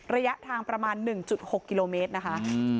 ระยะทางประมาณ๑๖กิโลเมตรนะคะ